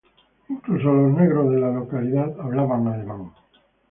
Incluso los negros de la localidad hablaban alemán.